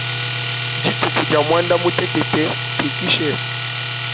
Dituku dia muandamutekete tuikishe.